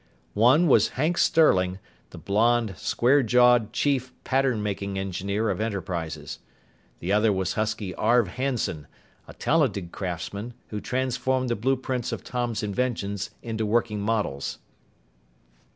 One was Hank Sterling, the blond, square jawed chief pattern making engineer of Enterprises. The other was husky Arv Hanson, a talented craftsman who transformed the blueprints of Tom's inventions into working models.